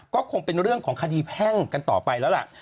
ก็คงเป็นเรื่องของคดีแพ่งกันต่อไปแล้วล่ะ